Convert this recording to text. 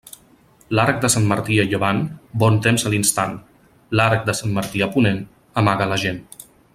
L'arc de Sant Martí a llevant, bon temps a l'instant; l'arc de Sant Martí a ponent, amaga la gent.